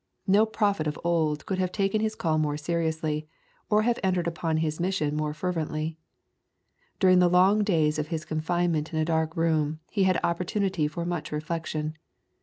No prophet of old could have taken his call more seriously, or have entered upon his mission more frevently. During the long days of his confinement in a dark room he had opportunity for much reflection.